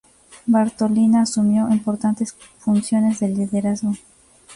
Bartolina asumió importantes funciones de liderazgo.